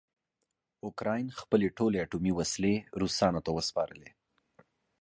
اوکراین خپلې ټولې اټومي وسلې روسانو ته وسپارلې.